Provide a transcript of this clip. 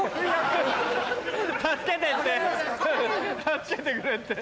助けてやって。